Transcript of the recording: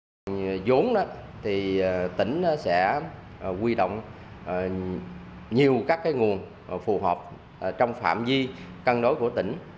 với dốn tỉnh sẽ quy động nhiều các nguồn phù hợp trong phạm di căn đối của tỉnh